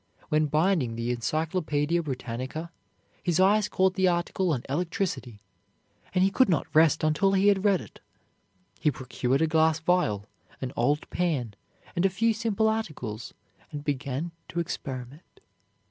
When binding the Encyclopaedia Britannica, his eyes caught the article on electricity, and he could not rest until he had read it. He procured a glass vial, an old pan, and a few simple articles, and began to experiment.